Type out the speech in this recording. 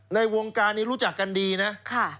ในวงการนี้รู้จักกันดีนะ